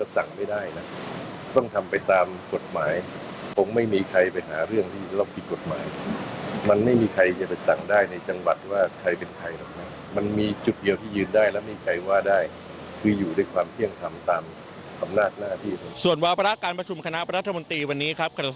ส่วนวาวราการประชุมคณะประธรรมนตรีวันนี้ครับ